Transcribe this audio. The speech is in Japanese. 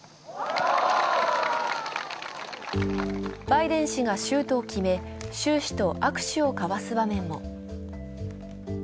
バイデン氏がシュートを決め習氏と握手を交わす場面も。